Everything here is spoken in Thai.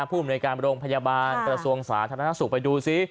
ผู้บริเวณการบริโรงพยาบาลกระทะสวงศาสตร์ธนทรัพย์สูตรไปดูซิ